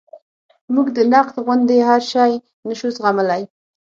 موږ د نقد غوندې هر شی نشو زغملی.